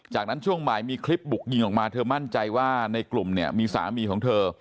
จากนั้นช่วงบ่ายมีคลิปบุกยิงออกมาเธอมั่นใจว่าในกลุ่มเนี่ยมีสามีของเธอ